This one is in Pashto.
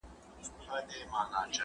زه به سبا انځورونه رسم کوم؟